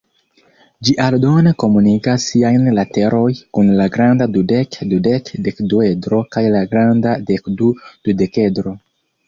Ĝi aldone komunigas siajn lateroj kun la granda dudek-dudek-dekduedro kaj la granda dekdu-dudekedro.